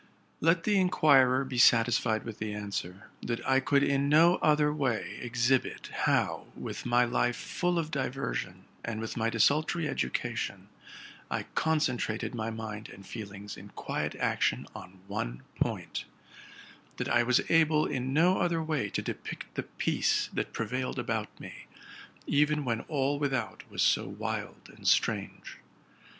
Let the inquirer be satisfied with the answer, that I could in no other way exhibit how, with my life full of diversion, and with my desultory education, I concentrated my mind and feelings in quiet action on one point; that IT was able in no other way to depict the peace that prevailed about me, even when all without was so wild and strange.